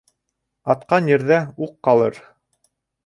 Атҡан ерҙә уҡ ҡалыр